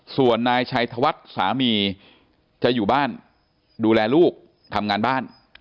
ส่วนนายชัยธวัฒน์สามีจะอยู่บ้านดูแลลูกทำงานบ้าน